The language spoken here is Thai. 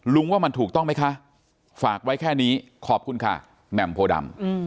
ว่ามันถูกต้องไหมคะฝากไว้แค่นี้ขอบคุณค่ะแหม่มโพดำ